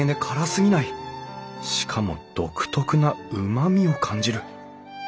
しかも独特なうまみを感じる。